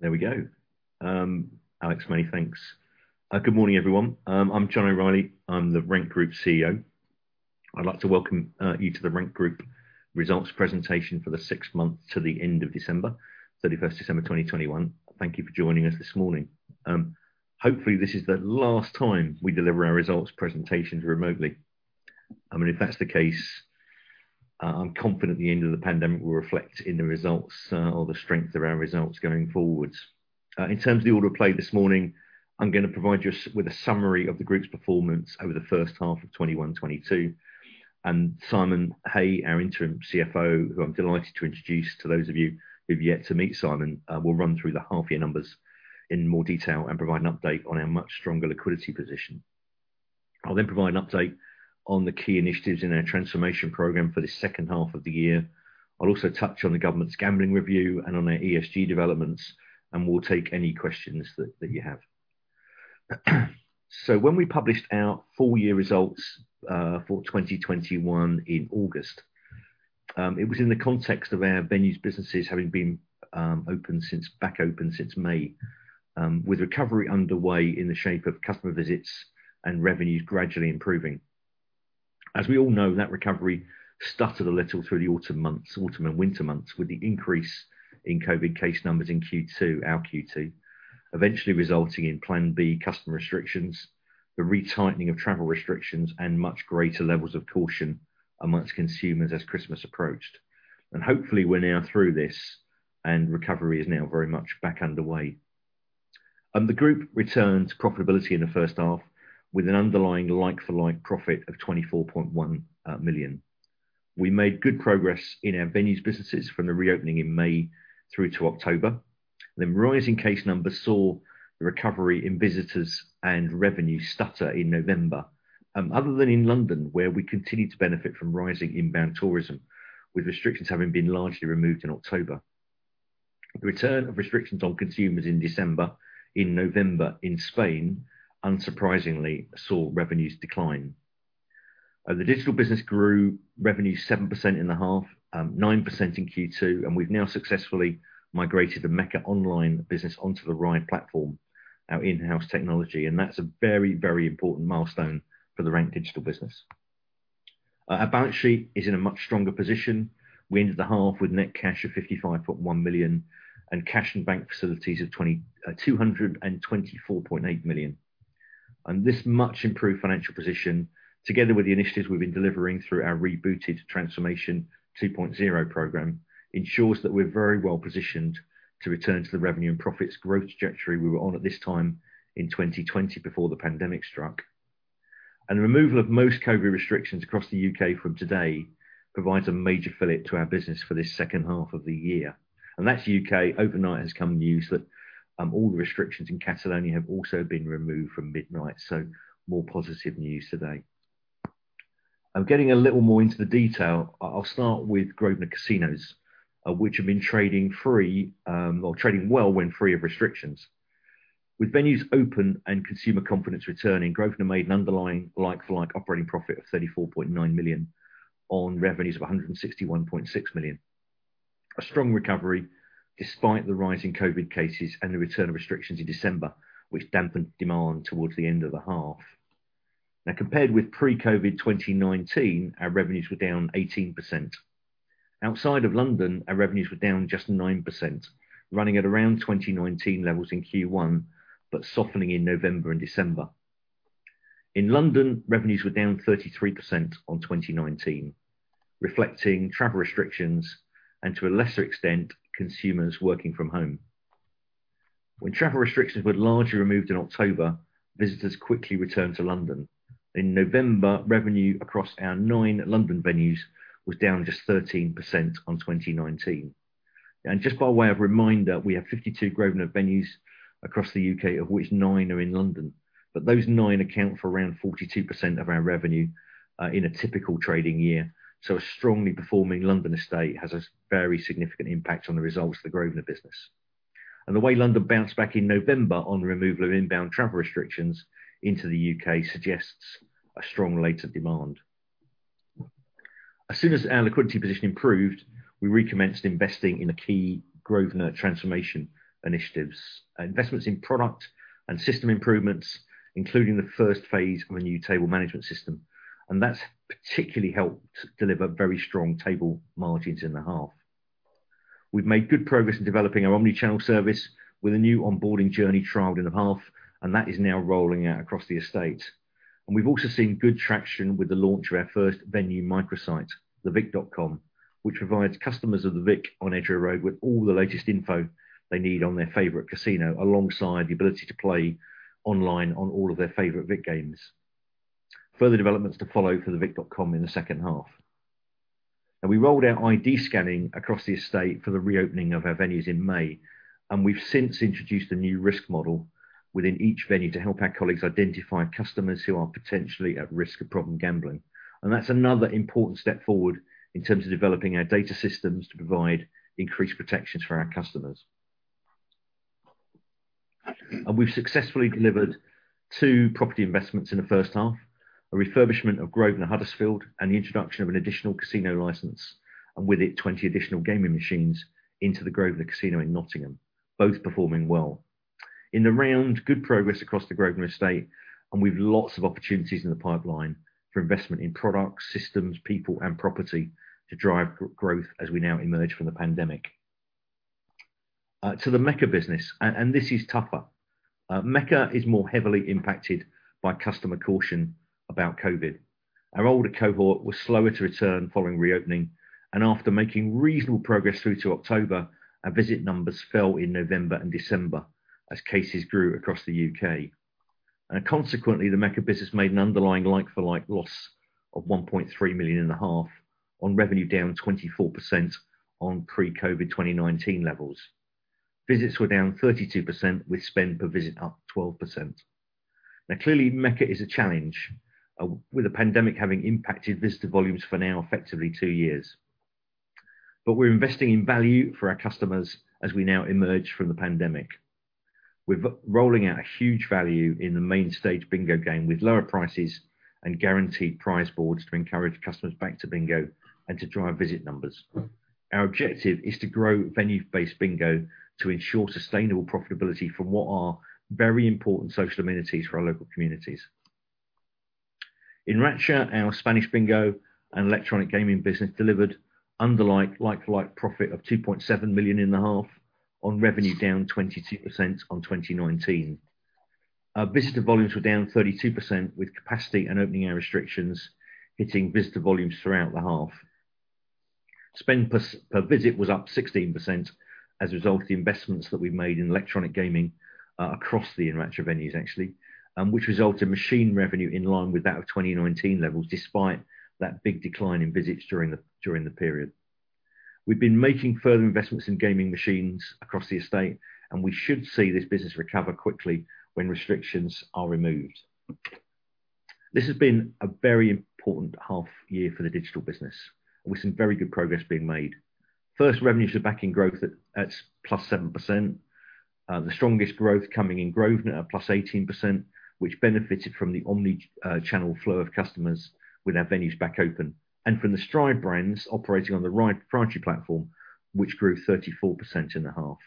There we go. Alex May, thanks. Good morning, everyone. I'm John O'Reilly. I'm the Rank Group Chief Executive Officer. I'd like to welcome you to the Rank Group results presentation for the six months to the end of December 31, 2021. Thank you for joining us this morning. Hopefully, this is the last time we deliver our results presentations remotely. I mean, if that's the case, I'm confident the end of the pandemic will reflect in the results or the strength of our results going forwards. In terms of the order of play this morning, I'm gonna provide you with a summary of the group's performance over the first half of 2021, 2022. Simon Hay, our Interim Chief Financial Officer, who I'm delighted to introduce to those of you who've yet to meet Simon, will run through the half year numbers in more detail and provide an update on our much stronger liquidity position. I'll then provide an update on the key initiatives in our transformation program for the second half of the year. I'll also touch on the government's gambling review and on our ESG developments, and we'll take any questions that you have. When we published our full year results for 2021 in August, it was in the context of our venues businesses having been back open since May, with recovery underway in the shape of customer visits and revenues gradually improving. As we all know, that recovery stuttered a little through the autumn and winter months, with the increase in COVID case numbers in Q2, eventually resulting in Plan B customer restrictions, the retightening of travel restrictions, and much greater levels of caution among consumers as Christmas approached. Hopefully, we're now through this and recovery is now very much back underway. The group returned to profitability in the first half with an underlying like-for-like profit of 24.1 million. We made good progress in our venues businesses from the reopening in May through to October. Rising case numbers saw the recovery in visitors and revenue stutter in November. Other than in London, where we continued to benefit from rising inbound tourism, with restrictions having been largely removed in October. The return of restrictions on consumers in December, in November in Spain, unsurprisingly, saw revenues decline. The digital business grew revenue 7% in the half, nine percent in Q2, and we've now successfully migrated the Mecca Online business onto the RIDE platform, our in-house technology, and that's a very, very important milestone for the Rank Digital business. Our balance sheet is in a much stronger position. We ended the half with net cash of 55.1 million and cash and bank facilities of 224.8 million. This much improved financial position, together with the initiatives we've been delivering through our rebooted Transformation 2.0 program, ensures that we're very well-positioned to return to the revenue and profits growth trajectory we were on at this time in 2020 before the pandemic struck. The removal of most COVID restrictions across the U.K. from today provides a major fillip to our business for this second half of the year. That's U.K. Overnight has come news that all the restrictions in Catalonia have also been removed from midnight. More positive news today. I'm getting a little more into the detail. I'll start with Grosvenor Casinos, which have been trading free or trading well when free of restrictions. With venues open and consumer confidence returning, Grosvenor made an underlying like-for-like operating profit of 34.9 million on revenues of 161.6 million. A strong recovery despite the rise in COVID cases and the return of restrictions in December, which dampened demand towards the end of the half. Now, compared with pre-COVID 2019, our revenues were down 18%. Outside of London, our revenues were down just 9%, running at around 2019 levels in Q1, but softening in November and December. In London, revenues were down 33% on 2019, reflecting travel restrictions and, to a lesser extent, consumers working from home. When travel restrictions were largely removed in October, visitors quickly returned to London. In November, revenue across our nine London venues was down just 13% on 2019. Just by way of reminder, we have 52 Grosvenor venues across the U.K., of which nine are in London. Those nine account for around 42% of our revenue, in a typical trading year. A strongly performing London estate has a very significant impact on the results of the Grosvenor business. The way London bounced back in November on removal of inbound travel restrictions into the U.K. suggests a strong rate of demand. As soon as our liquidity position improved, we recommenced investing in the key Grosvenor transformation initiatives, investments in product and system improvements, including the first phase of a new table management system. That's particularly helped deliver very strong table margins in the half. We've made good progress in developing our omni-channel service with a new onboarding journey trialed in the half, and that is now rolling out across the estate. We've also seen good traction with the launch of our first venue microsite, thevic.com, which provides customers of the Vic on Edgware Road with all the latest info they need on their favorite casino, alongside the ability to play online on all of their favorite Vic games. Further developments to follow for thevic.com in the second half. Now, we rolled out ID scanning across the estate for the reopening of our venues in May, and we've since introduced a new risk model within each venue to help our colleagues identify customers who are potentially at risk of problem gambling. That's another important step forward in terms of developing our data systems to provide increased protections for our customers. We've successfully delivered two property investments in the first half, a refurbishment of Grosvenor Huddersfield, and the introduction of an additional casino license, and with it 20 additional gaming machines into the Grosvenor Casino in Nottingham, both performing well. In the round, good progress across the Grosvenor estate, and we've lots of opportunities in the pipeline for investment in products, systems, people and property to drive growth as we now emerge from the pandemic. To the Mecca business, and this is tougher. Mecca is more heavily impacted by customer caution about COVID. Our older cohort was slower to return following reopening and after making reasonable progress through to October, our visit numbers fell in November and December as cases grew across the U.K. Consequently, the Mecca business made an underlying like-for-like loss of 1.5 million on revenue down 24% on pre-COVID 2019 levels. Visits were down 32% with spend per visit up 12%. Clearly, Mecca is a challenge, with the pandemic having impacted visitor volumes for now effectively two years. We're investing in value for our customers as we now emerge from the pandemic. We're rolling out a huge value in the main stage bingo game with lower prices and guaranteed prize boards to encourage customers back to bingo and to drive visit numbers. Our objective is to grow venue-based bingo to ensure sustainable profitability from what are very important social amenities for our local communities. In Enracha, our Spanish bingo and electronic gaming business delivered underlying like-for-like profit of 2.7 million in the half on revenue down 22% on 2019. Our visitor volumes were down 32% with capacity and opening hour restrictions hitting visitor volumes throughout the half. Spend per visit was up 16% as a result of the investments that we've made in electronic gaming across the Enracha venues actually, and which resulted in machine revenue in line with that of 2019 levels, despite that big decline in visits during the period. We've been making further investments in gaming machines across the estate, and we should see this business recover quickly when restrictions are removed. This has been a very important half year for the digital business, and with some very good progress being made. First, revenues are back in growth at +7%. The strongest growth coming in Grosvenor +18%, which benefited from the omni-channel flow of customers with our venues back open, and from the Stride brands operating on the RIDE proprietary platform, which grew 34% in the half.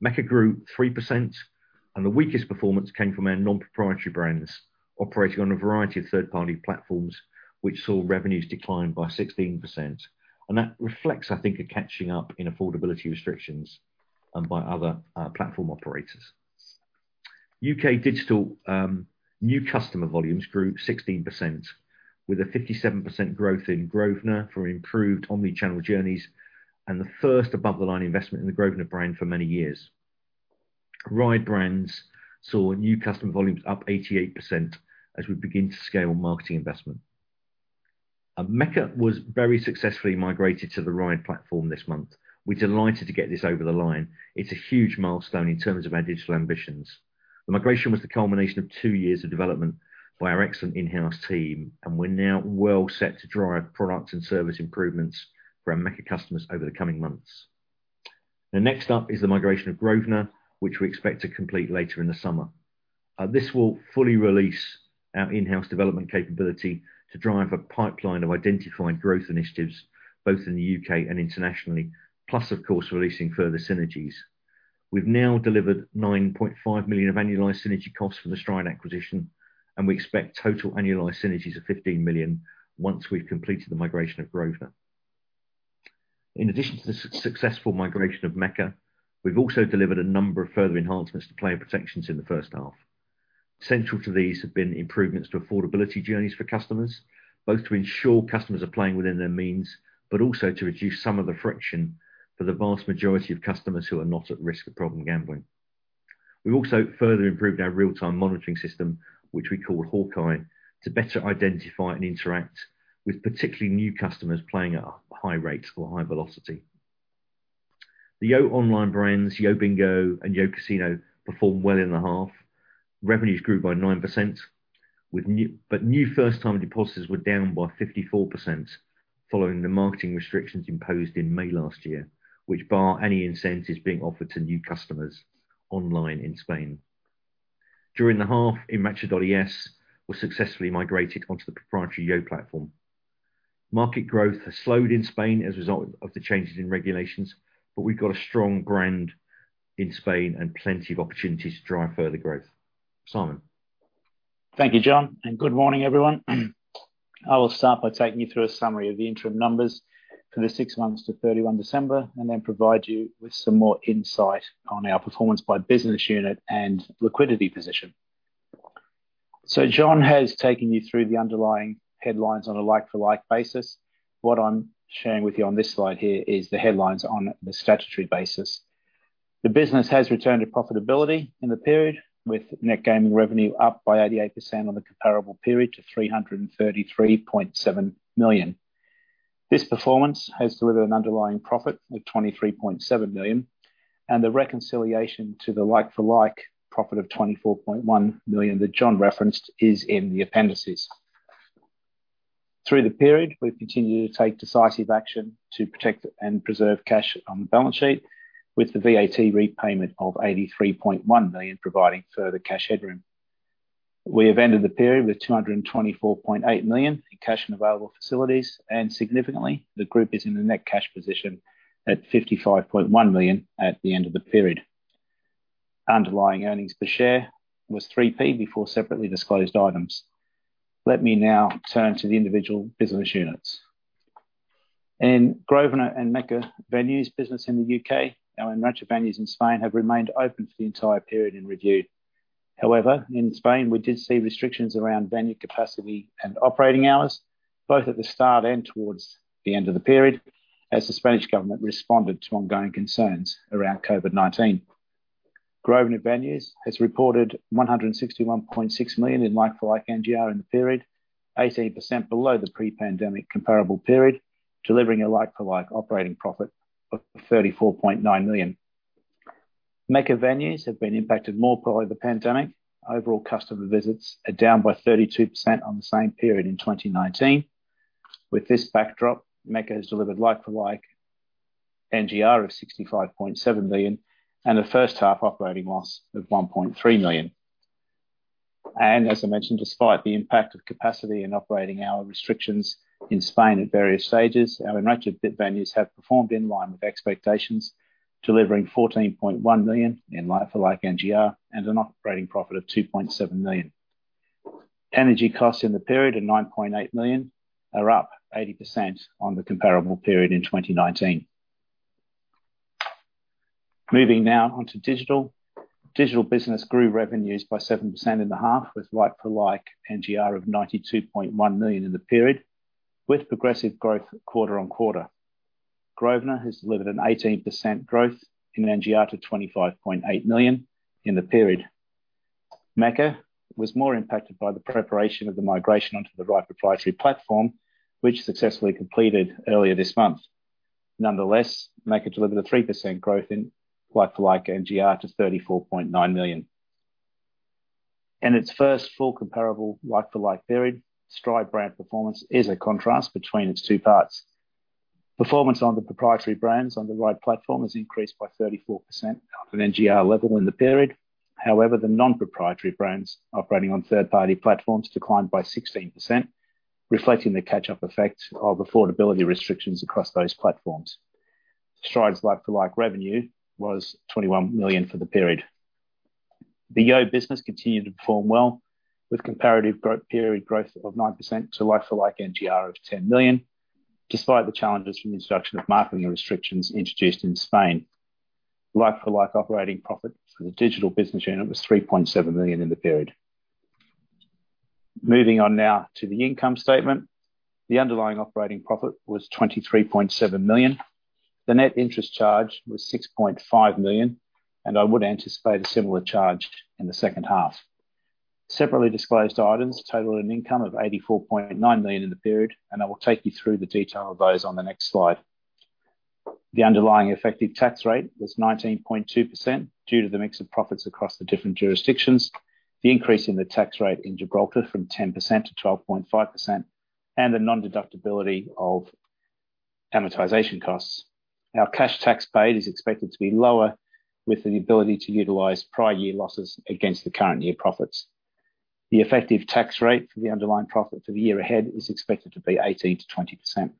Mecca grew 3% and the weakest performance came from our non-proprietary brands operating on a variety of third-party platforms, which saw revenues decline by 16%. That reflects, I think, a catching up in affordability restrictions and by other platform operators. U.K. Digital new customer volumes grew 16% with a 57% growth in Grosvenor for improved omni-channel journeys and the first above the line investment in the Grosvenor brand for many years. RIDE brands saw new customer volumes up 88% as we begin to scale marketing investment. Mecca was very successfully migrated to the RIDE platform this month. We're delighted to get this over the line. It's a huge milestone in terms of our digital ambitions. The migration was the culmination of two years of development by our excellent in-house team, and we're now well set to drive products and service improvements for our Mecca customers over the coming months. The next up is the migration of Grosvenor, which we expect to complete later in the summer. This will fully release our in-house development capability to drive a pipeline of identified growth initiatives both in the U.K. and internationally, plus, of course, releasing further synergies. We've now delivered 9.5 million of annualized synergy costs for the Stride acquisition, and we expect total annualized synergies of 15 million once we've completed the migration of Grosvenor. In addition to the successful migration of Mecca, we've also delivered a number of further enhancements to player protections in the first half. Central to these have been improvements to affordability journeys for customers, both to ensure customers are playing within their means, but also to reduce some of the friction for the vast majority of customers who are not at risk of problem gambling. We've also further improved our real-time monitoring system, which we call Hawkeye, to better identify and interact with particularly new customers playing at a high rate or high velocity. The Yo Online brands, YoBingo and YoCasino, performed well in the half. Revenues grew by 9%, but new first-time depositors were down by 54% following the marketing restrictions imposed in May last year, which bar any incentives being offered to new customers online in Spain. During the half, enracha.es was successfully migrated onto the proprietary Yo platform. Market growth has slowed in Spain as a result of the changes in regulations, but we've got a strong brand in Spain and plenty of opportunities to drive further growth. Simon. Thank you, John, and good morning, everyone. I will start by taking you through a summary of the interim numbers for the six months to 31 December and then provide you with some more insight on our performance by business unit and liquidity position. John has taken you through the underlying headlines on a like-for-like basis. What I'm sharing with you on this slide here is the headlines on the statutory basis. The business has returned to profitability in the period, with net gaming revenue up by 88% on the comparable period to 333.7 million. This performance has delivered an underlying profit of 23.7 million and the reconciliation to the like-for-like profit of 24.1 million that John referenced is in the appendices. Through the period, we've continued to take decisive action to protect and preserve cash on the balance sheet, with the VAT repayment of GBP 83.1 million providing further cash headroom. We have ended the period with GBP 224.8 million in cash and available facilities, and significantly, the group is in the net cash position at 55.1 million at the end of the period. Underlying earnings per share was 3p before separately disclosed items. Let me now turn to the individual business units. In Grosvenor and Mecca venues business in the U.K., our Enracha venues in Spain have remained open for the entire period in review. However, in Spain, we did see restrictions around venue capacity and operating hours, both at the start and towards the end of the period, as the Spanish government responded to ongoing concerns around COVID-19. Grosvenor venues has reported 161.6 million in like-for-like NGR in the period, 18% below the pre-pandemic comparable period, delivering a like-for-like operating profit of 34.9 million. Mecca venues have been impacted more by the pandemic. Overall customer visits are down by 32% on the same period in 2019. With this backdrop, Mecca has delivered like-for-like NGR of 65.7 million and a first half operating loss of 1.3 million. As I mentioned, despite the impact of capacity and operating hour restrictions in Spain at various stages, our Enracha venues have performed in line with expectations, delivering 14.1 million in like-for-like NGR and an operating profit of 2.7 million. Energy costs in the period of 9.8 million are up 80% on the comparable period in 2019. Moving now on to digital. Digital business grew revenues by 7% in the half with like-for-like NGR of 92.1 million in the period, with progressive growth quarter-on-quarter. Grosvenor has delivered an 18% growth in NGR to 25.8 million in the period. Mecca was more impacted by the preparation of the migration onto the RIDE proprietary platform, which successfully completed earlier this month. Nonetheless, Mecca delivered a 3% growth in like-for-like NGR to 34.9 million. In its first full comparable like-for-like period, Stride brand performance is a contrast between its two parts. Performance on the proprietary brands on the right platform has increased by 34% at an NGR level in the period. However, the non-proprietary brands operating on third-party platforms declined by 16%, reflecting the catch-up effect of affordability restrictions across those platforms. Stride's like-for-like revenue was 21 million for the period. The Yo business continued to perform well with comparative period growth of 9% to like-for-like NGR of 10 million, despite the challenges from the introduction of marketing restrictions introduced in Spain. Like-for-like operating profit for the digital business unit was 3.7 million in the period. Moving on now to the income statement. The underlying operating profit was 23.7 million. The net interest charge was 6.5 million, and I would anticipate a similar charge in the second half. Separately disclosed items totaled an income of 84.9 million in the period, and I will take you through the detail of those on the next slide. The underlying effective tax rate was 19.2% due to the mix of profits across the different jurisdictions, the increase in the tax rate in Gibraltar from 10% to 12.5%, and the non-deductibility of amortization costs. Our cash tax paid is expected to be lower with the ability to utilize prior year losses against the current year profits. The effective tax rate for the underlying profit for the year ahead is expected to be 18%-20%.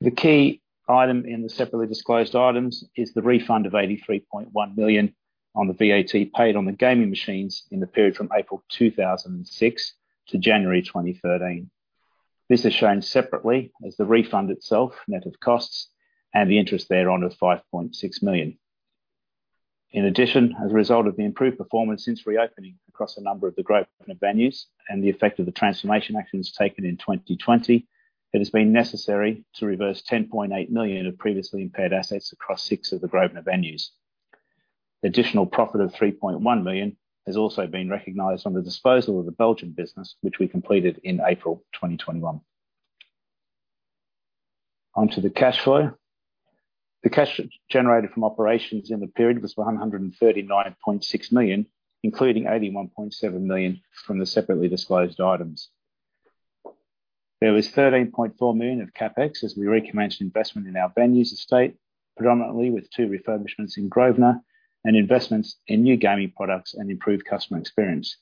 The key item in the separately disclosed items is the refund of 83.1 million on the VAT paid on the gaming machines in the period from April 2006 to January 2013. This is shown separately as the refund itself, net of costs, and the interest thereon of 5.6 million. In addition, as a result of the improved performance since reopening across a number of the Grosvenor venues and the effect of the transformation actions taken in 2020, it has been necessary to reverse 10.8 million of previously impaired assets across six of the Grosvenor venues. The additional profit of 3.1 million has also been recognized on the disposal of the Belgian business, which we completed in April 2021. Onto the cash flow. The cash generated from operations in the period was 139.6 million, including 81.7 million from the separately disclosed items. There was 13.4 million of CapEx as we recommenced investment in our venues estate, predominantly with two refurbishments in Grosvenor and investments in new gaming products and improved customer experience.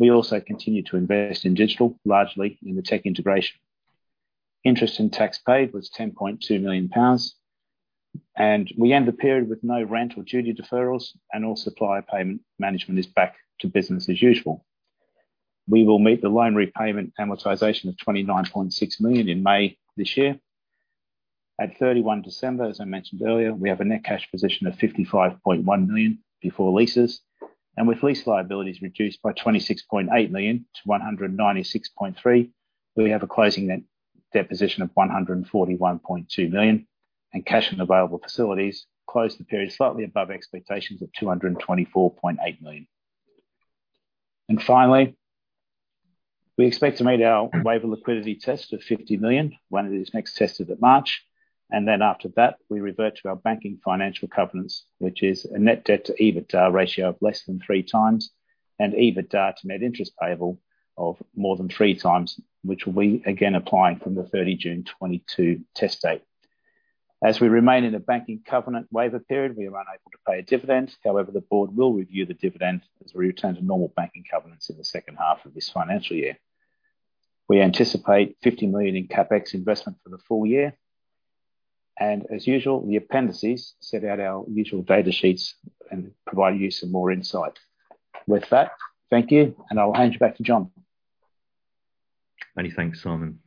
We also continued to invest in digital, largely in the tech integration. Interest in tax paid was 10.2 million pounds, and we end the period with no rent or duty deferrals and all supplier payment management is back to business as usual. We will meet the loan repayment amortization of 29.6 million in May this year. At 31 December, as I mentioned earlier, we have a net cash position of 55.1 million before leases, and with lease liabilities reduced by 26.8 million to 196.3 million, we have a closing net debt position of 141.2 million, and cash and available facilities closed the period slightly above expectations of 224.8 million. Finally, we expect to meet our waiver liquidity test of 50 million when it is next tested at March. After that, we revert to our banking financial covenants, which is a net debt to EBITDA ratio of less than 3x and EBITDA to net interest payable of more than 3x, which will be again applying from the 30 June 2022 test date. As we remain in a banking covenant waiver period, we are unable to pay a dividend. However, the board will review the dividend as we return to normal banking covenants in the second half of this financial year. We anticipate 50 million in CapEx investment for the full year. As usual, the appendices set out our usual data sheets and provide you some more insight. With that, thank you, and I'll hand you back to John. Many thanks, Simon.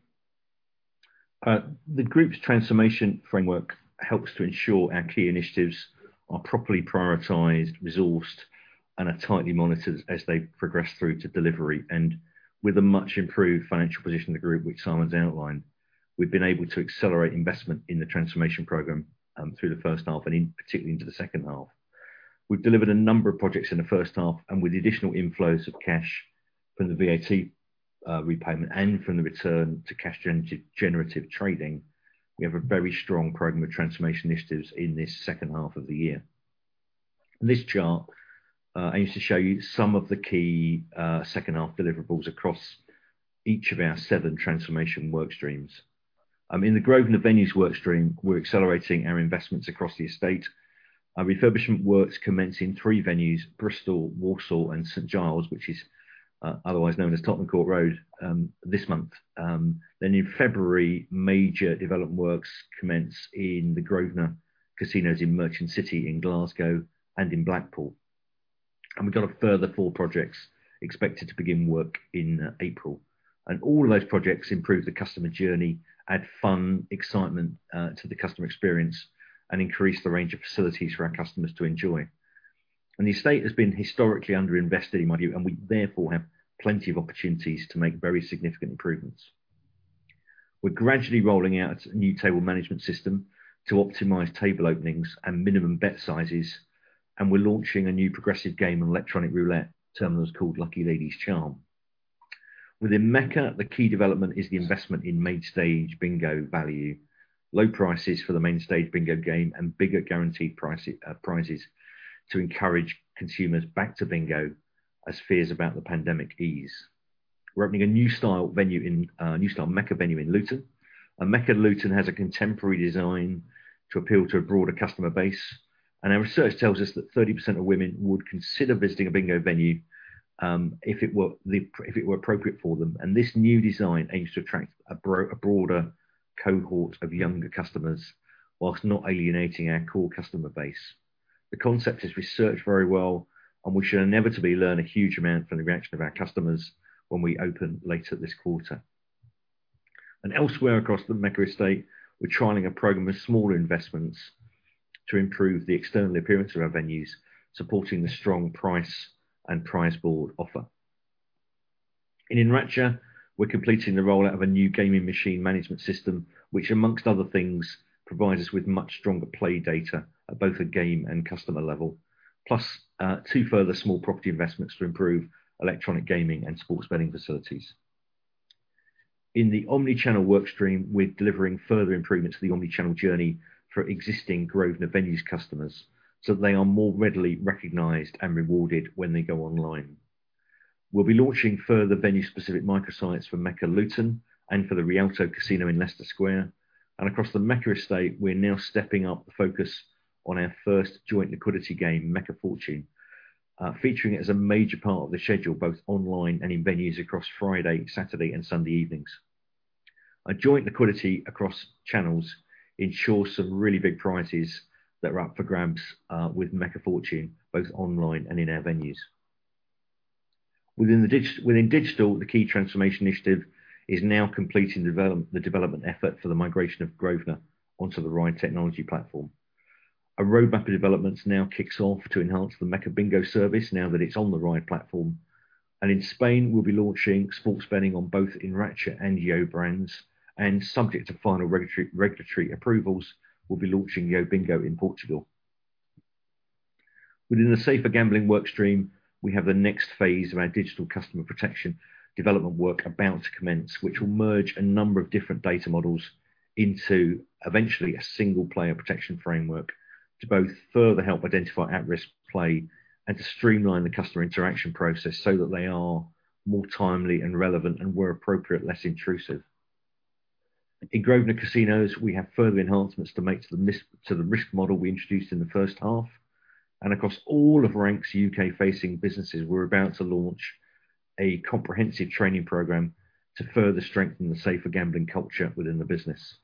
The group's transformation framework helps to ensure our key initiatives are properly prioritized, resourced, and are tightly monitored as they progress through to delivery. With a much improved financial position of the group, which Simon's outlined, we've been able to accelerate investment in the transformation program, through the first half and in particular into the second half. We've delivered a number of projects in the first half, and with the additional inflows of cash from the VAT repayment and from the return to cash generative trading, we have a very strong program of transformation initiatives in this second half of the year. This chart aims to show you some of the key second half deliverables across each of our seven transformation work streams. In the Grosvenor Venues work stream, we're accelerating our investments across the estate. Our refurbishment works commence in three venues, Bristol, Walsall and St. Giles, which is otherwise known as Tottenham Court Road, this month. In February, major development works commence in the Grosvenor Casinos in Merchant City in Glasgow and in Blackpool. We've got a further four projects expected to begin work in April. All those projects improve the customer journey, add fun, excitement to the customer experience, and increase the range of facilities for our customers to enjoy. The estate has been historically under-invested, in my view, and we therefore have plenty of opportunities to make very significant improvements. We're gradually rolling out a new table management system to optimize table openings and minimum bet sizes, and we're launching a new progressive game and electronic roulette terminal called Lucky Lady's Charm. Within Mecca, the key development is the investment in Main Stage bingo value. Low prices for the Main Stage bingo game and bigger guaranteed prizes to encourage consumers back to bingo as fears about the pandemic ease. We're opening a new style Mecca venue in Luton. Mecca Luton has a contemporary design to appeal to a broader customer base. Our research tells us that 30% of women would consider visiting a bingo venue, if it were appropriate for them. This new design aims to attract a broader cohort of younger customers while not alienating our core customer base. The concept is researched very well, and we should inevitably learn a huge amount from the reaction of our customers when we open later this quarter. Elsewhere across the Mecca estate, we're trialing a program of smaller investments to improve the external appearance of our venues, supporting the strong price and prize board offer. In Enracha, we're completing the rollout of a new gaming machine management system, which among other things, provides us with much stronger play data at both a game and customer level, plus two further small property investments to improve electronic gaming and sports betting facilities. In the omni-channel work stream, we're delivering further improvements to the omni-channel journey for existing Grosvenor venues customers, so they are more readily recognized and rewarded when they go online. We'll be launching further venue-specific microsites for Mecca Luton and for the Rialto Casino in Leicester Square. Across the Mecca estate, we're now stepping up the focus on our first joint liquidity game, Mecca Fortune, featuring it as a major part of the schedule, both online and in venues across Friday, Saturday and Sunday evenings. A joint liquidity across channels ensures some really big prizes that are up for grabs, with Mecca Fortune both online and in our venues. Within digital, the key transformation initiative is now completing the development effort for the migration of Grosvenor onto the RIDE technology platform. A roadmap of developments now kicks off to enhance the Mecca Bingo service now that it's on the RIDE platform. In Spain, we'll be launching sports betting on both Enracha and Yo brands, and subject to final regulatory approvals, we'll be launching YoBingo in Portugal. Within the safer gambling work stream, we have the next phase of our digital customer protection development work about to commence, which will merge a number of different data models into eventually a single player protection framework to both further help identify at-risk play and to streamline the customer interaction process so that they are more timely and relevant, and where appropriate, less intrusive. In Grosvenor Casinos, we have further enhancements to make to the risk model we introduced in the first half. Across all of Rank's U.K.-facing businesses, we're about to launch a comprehensive training program to further strengthen the safer gambling culture within the business.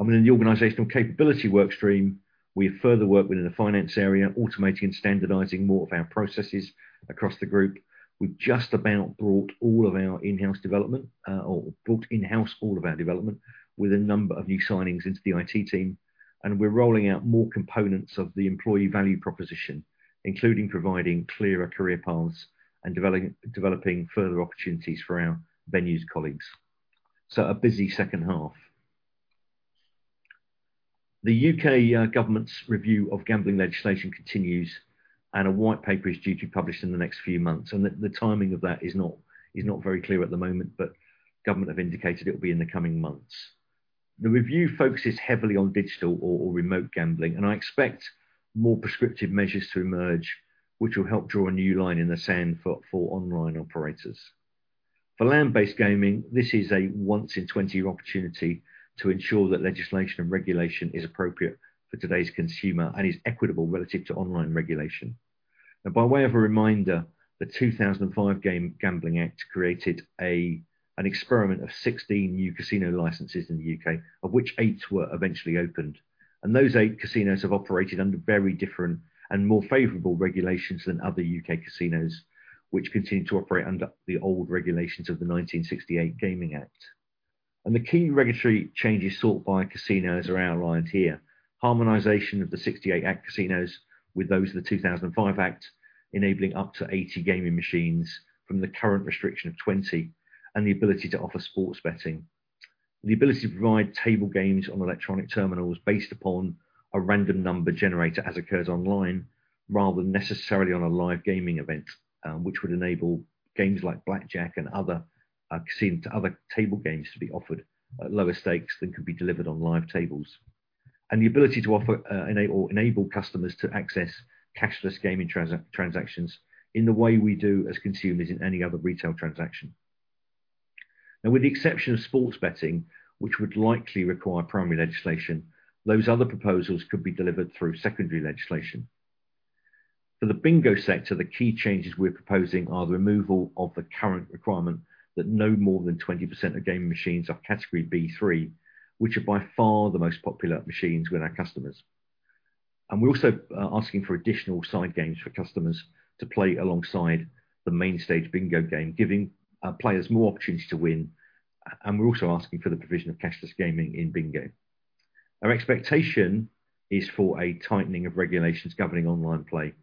In the organizational capability work stream, we have further work within the finance area, automating and standardizing more of our processes across the group. We've just about brought in-house all of our development with a number of new signings into the IT team, and we're rolling out more components of the employee value proposition, including providing clearer career paths and developing further opportunities for our venues colleagues. A busy second half. The U.K. government's review of gambling legislation continues, and a white paper is due to be published in the next few months. The timing of that is not very clear at the moment, but government have indicated it will be in the coming months. The review focuses heavily on digital or remote gambling, and I expect more prescriptive measures to emerge, which will help draw a new line in the sand for online operators. For land-based gaming, this is a once-in-20-year opportunity to ensure that legislation and regulation is appropriate for today's consumer and is equitable relative to online regulation. By way of a reminder, the 2005 Gambling Act created an experiment of 16 new casino licenses in the U.K., of which eight were eventually opened. Those eight casinos have operated under very different and more favorable regulations than other U.K. casinos, which continue to operate under the old regulations of the 1968 Gaming Act. The key regulatory changes sought by casinos are outlined here, harmonization of the 1968 Act casinos with those of the 2005 Act, enabling up to 80 gaming machines from the current restriction of 20, and the ability to offer sports betting. The ability to provide table games on electronic terminals based upon a random number generator, as occurs online, rather than necessarily on a live gaming event, which would enable games like blackjack and other table games to be offered at lower stakes than could be delivered on live tables. The ability to offer enable customers to access cashless gaming transactions in the way we do as consumers in any other retail transaction. Now, with the exception of sports betting, which would likely require primary legislation, those other proposals could be delivered through secondary legislation. For the bingo sector, the key changes we're proposing are the removal of the current requirement that no more than 20% of gaming machines are category B3, which are by far the most popular machines with our customers. We're also asking for additional side games for customers to play alongside the main stage bingo game, giving our players more opportunities to win. We're also asking for the provision of cashless gaming in bingo. Our expectation is for a tightening of regulations governing online play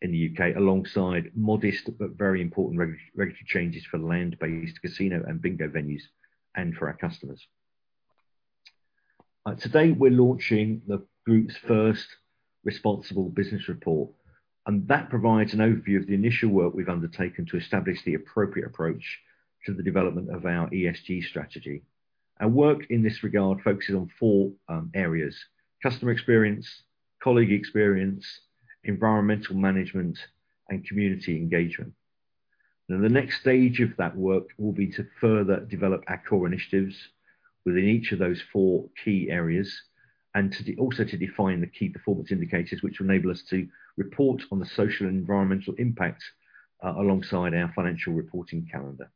in the U.K., alongside modest but very important regulatory changes for land-based casino and bingo venues and for our customers. Today, we're launching the group's first responsible business report, and that provides an overview of the initial work we've undertaken to establish the appropriate approach to the development of our ESG strategy. Our work in this regard focuses on four areas, customer experience, colleague experience, environmental management, and community engagement. Now, the next stage of that work will be to further develop our core initiatives within each of those four key areas and also to define the key performance indicators which will enable us to report on the social and environmental impact alongside our financial reporting calendar.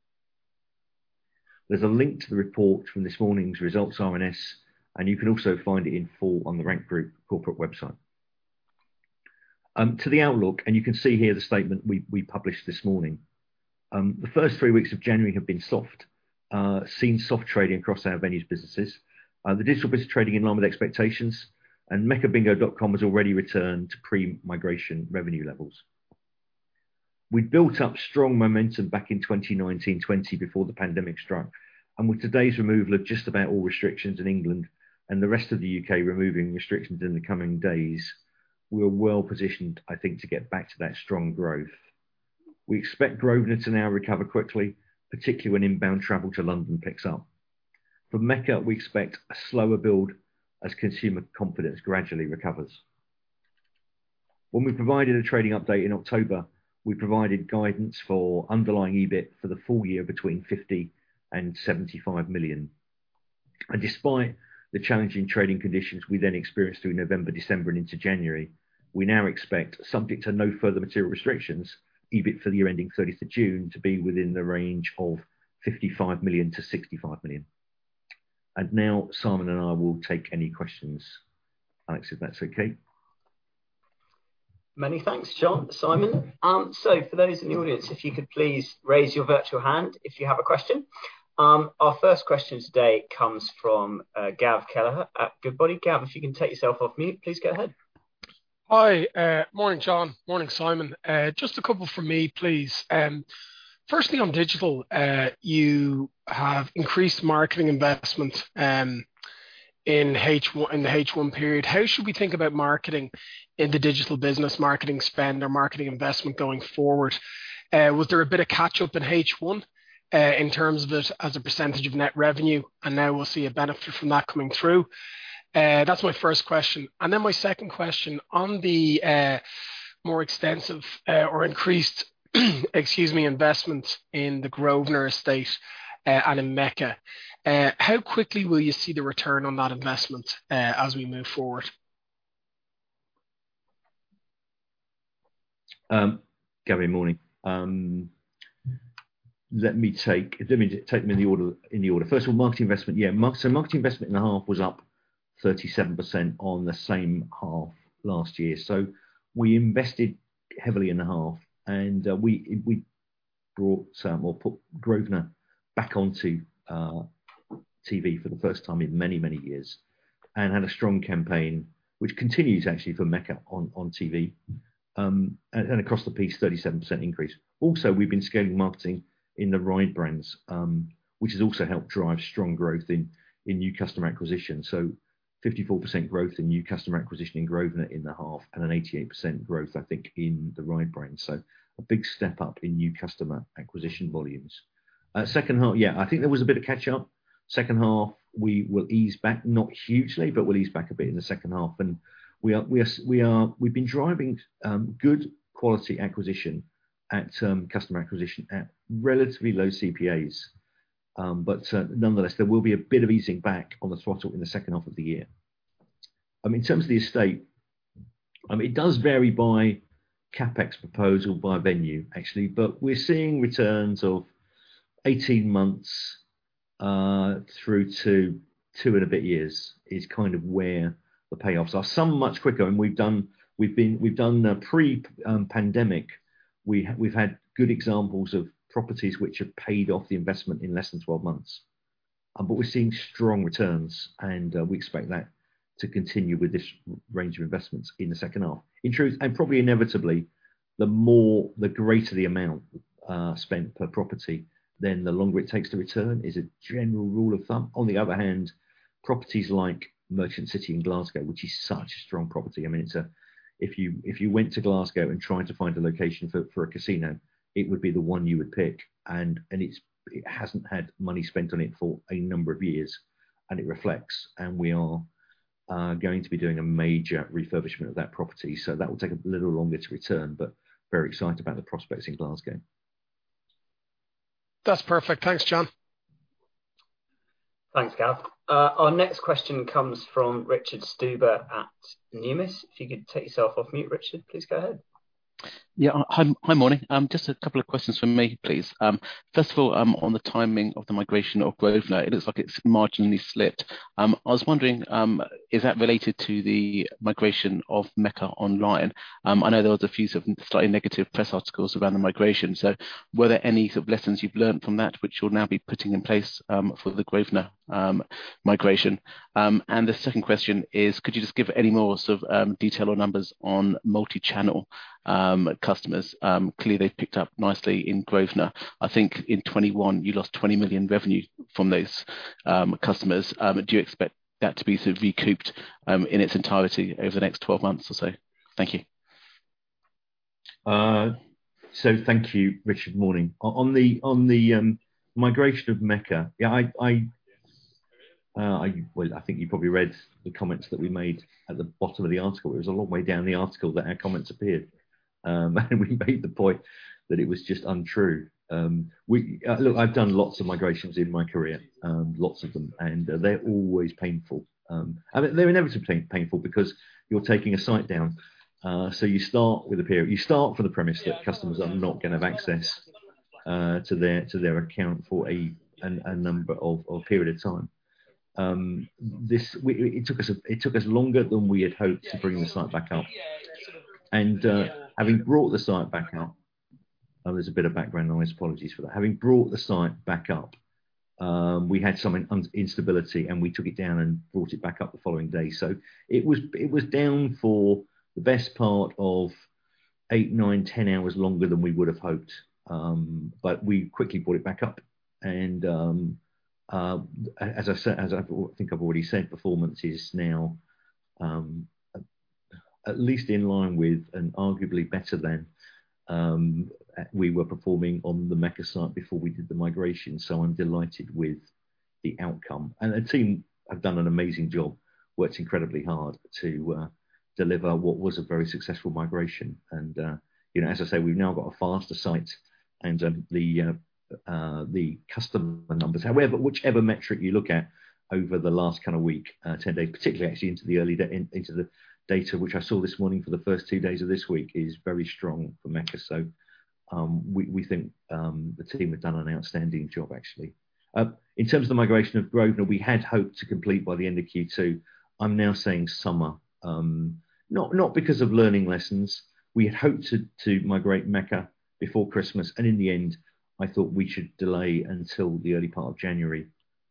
There's a link to the report from this morning's results RNS, and you can also find it in full on the Rank Group corporate website. To the outlook, and you can see here the statement we published this morning. The first three weeks of January have seen soft trading across our venues businesses. The digital business trading in line with expectations, and meccabingo.com has already returned to pre-migration revenue levels. We built up strong momentum back in 2019-2020 before the pandemic struck, with today's removal of just about all restrictions in England, and the rest of the U.K. removing restrictions in the coming days, we're well positioned, I think, to get back to that strong growth. We expect Grosvenor to now recover quickly, particularly when inbound travel to London picks up. For Mecca, we expect a slower build as consumer confidence gradually recovers. When we provided a trading update in October, we provided guidance for underlying EBIT for the full year between 50 million and 75 million. Despite the challenging trading conditions we then experienced through November, December and into January, we now expect, subject to no further material restrictions, EBIT for the year ending 30 June to be within the range of 55 million-65 million. Now, Simon and I will take any questions. Alex, if that's okay. Many thanks, John, Simon. For those in the audience, if you could please raise your virtual hand if you have a question. Our first question today comes from Gavin Kelleher at Goodbody. Gavin, if you can take yourself off mute, please go ahead. Hi. Morning, John? Morning, Simon? Just a couple from me, please. Firstly, on digital, you have increased marketing investment in H1 period. How should we think about marketing in the digital business, marketing spend or marketing investment going forward? Was there a bit of catch up in H1 in terms of it as a percentage of net revenue, and now we'll see a benefit from that coming through? That's my first question. Then my second question, on the more extensive or increased, excuse me, investment in the Grosvenor estate and in Mecca, how quickly will you see the return on that investment as we move forward? Gavin, morning. Let me take them in the order. First of all, marketing investment. Yeah. Marketing investment in the half was up 37% on the same half last year. We invested heavily in the half and we put Grosvenor back onto TV for the first time in many years and had a strong campaign which continues actually for Mecca on TV. Across the piece, 37% increase. Also, we've been scaling marketing in the Yo brands, which has also helped drive strong growth in new customer acquisition. 54% growth in new customer acquisition in Grosvenor in the half and an 88% growth, I think, in the Yo brand. A big step up in new customer acquisition volumes. Second half, yeah, I think there was a bit of catch up. Second half, we will ease back, not hugely, but we'll ease back a bit in the second half. We are. We've been driving good quality acquisition at customer acquisition at relatively low CPAs. But nonetheless, there will be a bit of easing back on the throttle in the second half of the year. In terms of the estate, it does vary by CapEx proposal by venue, actually, but we're seeing returns of 18 months through to two and a bit years is kind of where the payoffs are. Some much quicker and we've done pre-pandemic, we've had good examples of properties which have paid off the investment in less than 12 months. We're seeing strong returns and we expect that to continue with this range of investments in the second half. In truth, and probably inevitably, the more, the greater the amount spent per property, then the longer it takes to return is a general rule of thumb. On the other hand, properties like Merchant City in Glasgow, which is such a strong property, I mean, it's a. If you went to Glasgow and tried to find a location for a casino, it would be the one you would pick. It hasn't had money spent on it for a number of years, and it reflects. We are going to be doing a major refurbishment of that property, so that will take a little longer to return, but very excited about the prospects in Glasgow. That's perfect. Thanks, John. Thanks, Gavin. Our next question comes from Richard Stuber at Numis. If you could take yourself off mute, Richard, please go ahead. Yeah. Hi, hi, morning? Just a couple of questions from me, please. First of all, on the timing of the migration of Grosvenor, it looks like it's marginally slipped. I was wondering, is that related to the migration of Mecca Online? I know there was a few sort of slightly negative press articles around the migration, so were there any sort of lessons you've learned from that which you'll now be putting in place, for the Grosvenor migration? And the second question is, could you just give any more sort of detail or numbers on multichannel customers? Clearly, they've picked up nicely in Grosvenor. I think in 2021 you lost 20 million revenue from those customers. Do you expect that to be sort of recouped, in its entirety over the next 12 months or so? Thank you. Thank you, Richard. Morning. On the migration of Mecca. Yeah, well, I think you probably read the comments that we made at the bottom of the article. It was a long way down the article that our comments appeared. We made the point that it was just untrue. Look, I've done lots of migrations in my career, lots of them, and they're always painful. I mean, they're inevitably painful because you're taking a site down. You start from the premise that customers are not gonna have access to their account for a number of periods of time. It took us longer than we had hoped to bring the site back up. Oh, there's a bit of background noise. Apologies for that. Having brought the site back up, we had some instability, and we took it down and brought it back up the following day. It was down for the best part of eight, nine, 10 hours longer than we would have hoped. We quickly brought it back up and, as I said, or think I've already said, performance is now at least in line with and arguably better than we were performing on the Mecca site before we did the migration. I'm delighted with the outcome. The team have done an amazing job, worked incredibly hard to deliver what was a very successful migration. You know, as I say, we've now got a faster site and the customer numbers. However, whichever metric you look at over the last kind of week, 10 days, particularly actually into the early days, into the data, which I saw this morning for the first two days of this week, is very strong for Mecca. We think the team have done an outstanding job actually. In terms of the migration of Grosvenor, we had hoped to complete by the end of Q2. I'm now saying summer. Not because of learning lessons. We had hoped to migrate Mecca before Christmas, and in the end, I thought we should delay until the early part of January.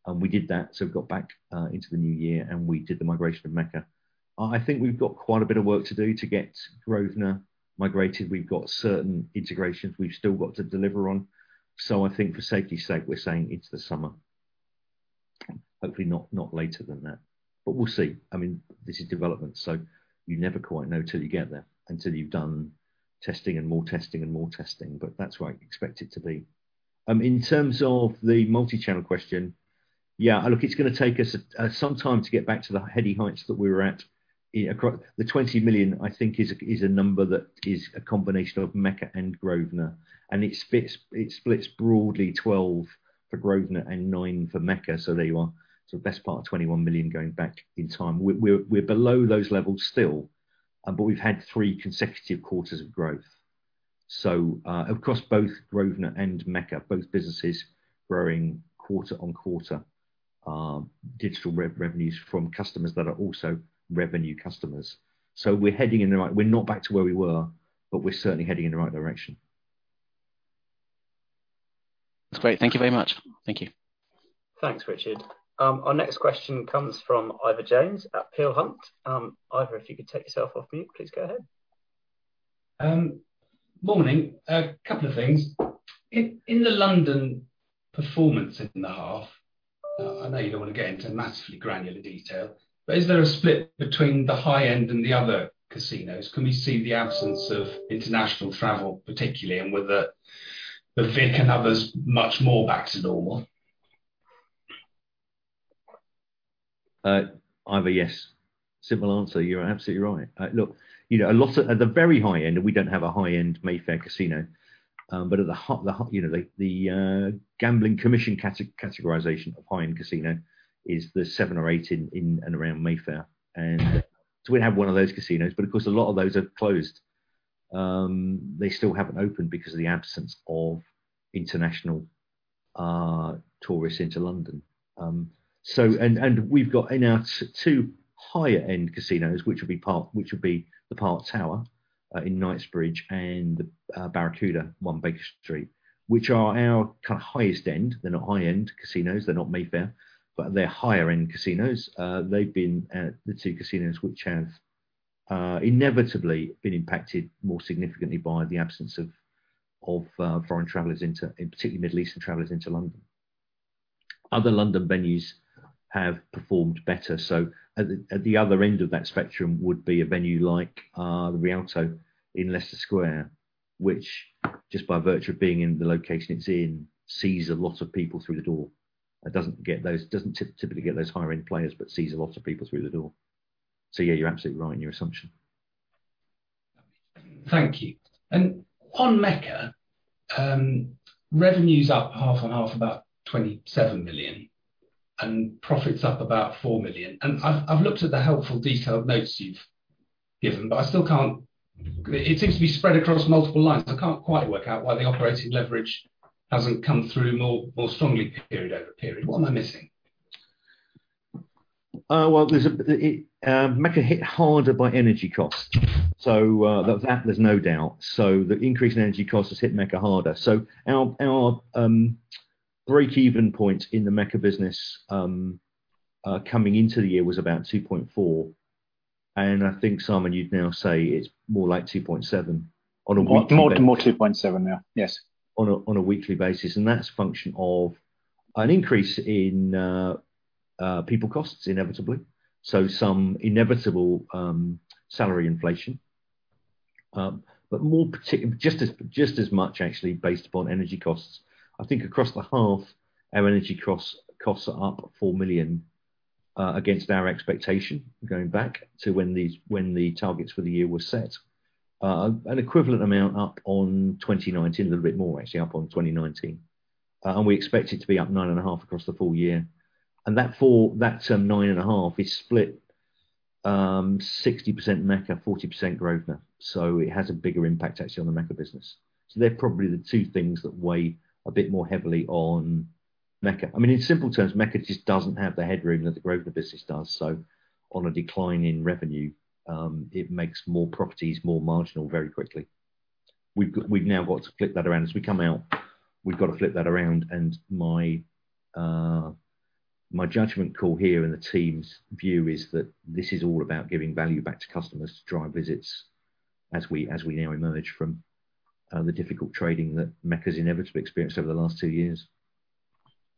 We did that, so we got back into the new year and we did the migration of Mecca. I think we've got quite a bit of work to do to get Grosvenor migrated. We've got certain integrations we've still got to deliver on. I think for safety's sake, we're saying into the summer. Hopefully not later than that, but we'll see. I mean, this is development, so you never quite know till you get there, until you've done testing and more testing and more testing, but that's what I expect it to be. In terms of the multichannel question, yeah, look, it's gonna take us some time to get back to the heady heights that we were at. The 20 million, I think, is a number that is a combination of Mecca and Grosvenor, and it splits broadly 12 million for Grosvenor and 9 million for Mecca. There you are. Best part of 21 million going back in time. We're below those levels still, but we've had three consecutive quarters of growth. Across both Grosvenor and Mecca, both businesses growing quarter-on-quarter, digital revenues from customers that are also venue customers. We're heading in the right direction. We're not back to where we were, but we're certainly heading in the right direction. That's great. Thank you very much. Thank you. Thanks, Richard. Our next question comes from Ivor Jones at Peel Hunt. Ivor, if you could take yourself off mute, please go ahead. Morning? A couple of things. In the London performance in the half, I know you don't wanna get into massively granular detail, but is there a split between the high-end and the other casinos? Can we see the absence of international travel, particularly, and whether The Vic and others much more back to normal? Ivor, yes. Simple answer. You're absolutely right. Look, you know, a lot of at the very high-end, and we don't have a high-end Mayfair casino, but at the you know, the Gambling Commission categorization of high-end casino is the seven or eight in and around Mayfair. We have one of those casinos, but of course, a lot of those have closed. They still haven't opened because of the absence of international tourists into London. We've got our two higher-end casinos, which would be The Park Tower in Knightsbridge and The Barracuda, 1 Baker Street, which are our kind of highest end. They're not high-end casinos, they're not Mayfair, but they're higher-end casinos. They've been the two casinos which have inevitably been impacted more significantly by the absence of foreign travelers into London and particularly Middle Eastern travelers into London. Other London venues have performed better. At the other end of that spectrum would be a venue like the Rialto in Leicester Square, which just by virtue of being in the location it's in, sees a lot of people through the door. It doesn't typically get those higher-end players but sees a lot of people through the door. Yeah, you're absolutely right in your assumption. Thank you. On Mecca, revenue's up half on half about 27 million and profit's up about 4 million. I've looked at the helpful detailed notes you've given, but I still can't. It seems to be spread across multiple lines. I can't quite work out why the operating leverage hasn't come through more strongly period-over-period. What am I missing? Well, Mecca hit harder by energy costs. That, there's no doubt. The increase in energy costs has hit Mecca harder. Our breakeven point in the Mecca business coming into the year was about 2.4, and I think, Simon, you'd now say it's more like 2.7 on a weekly basis. More than 2.7 now. Yes, on a weekly basis, and that's function of an increase in people costs inevitably, so some inevitable salary inflation. But just as much actually based upon energy costs. I think across the half, our energy costs are up 4 million against our expectation going back to when the targets for the year were set. An equivalent amount up on 2019, a little bit more actually up on 2019. We expect it to be up 9.5% across the full year. That 9.5% is split 60% Mecca, 40% Grosvenor. It has a bigger impact actually on the Mecca business. They're probably the two things that weigh a bit more heavily on Mecca. I mean, in simple terms, Mecca just doesn't have the headroom that the Grosvenor business does. On a decline in revenue, it makes more properties more marginal very quickly. We've now got to flip that around as we come out, and my judgment call here and the team's view is that this is all about giving value back to customers to drive visits as we now emerge from the difficult trading that Mecca's inevitably experienced over the last two years.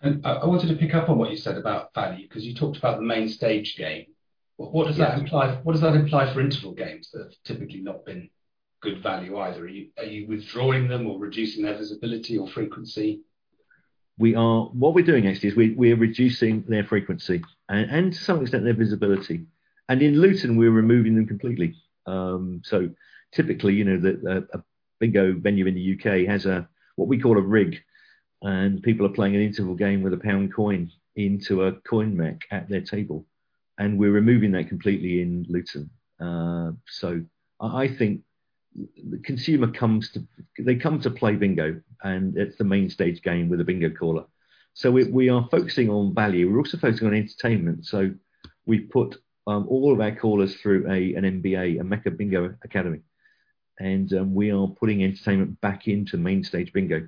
I wanted to pick up on what you said about value 'cause you talked about the main stage game. What does that imply- Yeah. What does that imply for interval games that have typically not been good value either? Are you withdrawing them or reducing their visibility or frequency? What we're doing actually is we are reducing their frequency and to some extent their visibility. In Luton, we're removing them completely. Typically, you know that a bingo venue in the U.K. has what we call a rig, and people are playing an interval game with a GBP 1 coin into a coin mech at their table, and we're removing that completely in Luton. I think they come to play bingo and it's the main stage game with a bingo caller. We are focusing on value. We're also focusing on entertainment. We've put all of our callers through an MBA, a Mecca Bingo Academy. We are putting entertainment back into main stage bingo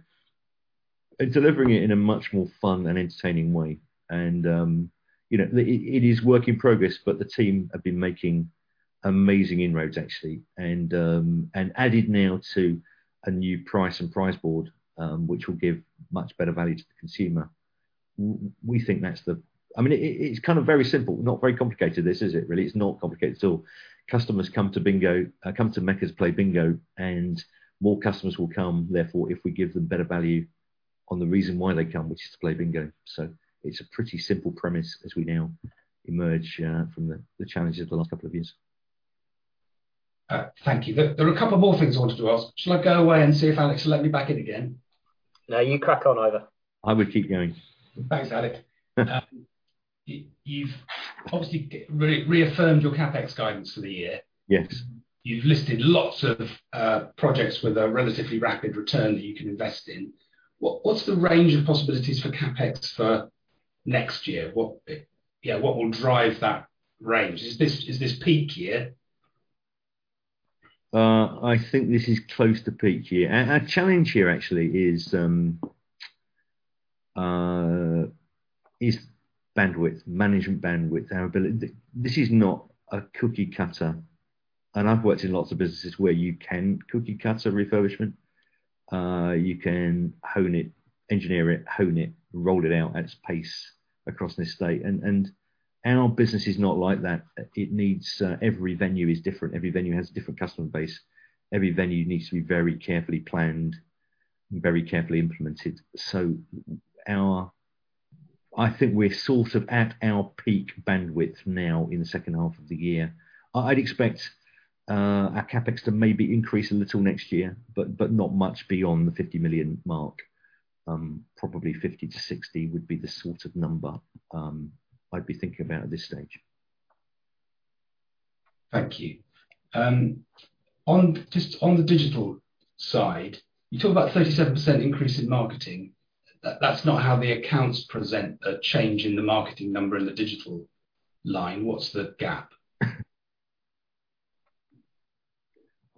and delivering it in a much more fun and entertaining way. You know, it is work in progress, but the team have been making amazing inroads, actually, and added now to a new price and prize board, which will give much better value to the consumer. We think that's. I mean, it is kind of very simple. Not very complicated this, is it really? It's not complicated at all. Customers come to bingo, come to Mecca to play bingo, and more customers will come, therefore, if we give them better value on the reason why they come, which is to play bingo. It's a pretty simple premise as we now emerge from the challenges of the last couple of years. Thank you. There are a couple more things I wanted to ask. Shall I go away and see if Alex will let me back in again? No, you crack on, Ivor. I would keep going. Thanks, Alex. You've obviously reaffirmed your CapEx guidance for the year. Yes. You've listed lots of projects with a relatively rapid return that you can invest in. What's the range of possibilities for CapEx for next year? What will drive that range? Is this peak year? I think this is close to peak year. Our challenge here actually is management bandwidth. This is not a cookie cutter, and I've worked in lots of businesses where you can cookie cutter refurbishment. You can hone it, engineer it, hone it, roll it out at pace across the estate. Our business is not like that. It needs every venue is different. Every venue has a different customer base. Every venue needs to be very carefully planned and very carefully implemented. I think we're sort of at our peak bandwidth now in the second half of the year. I'd expect our CapEx to maybe increase a little next year, but not much beyond the 50 million mark. Probably 50 million - 60 million would be the sort of number I'd be thinking about at this stage. Thank you. On the digital side, you talk about 37% increase in marketing. That's not how the accounts present a change in the marketing number in the digital line. What's the gap? I'm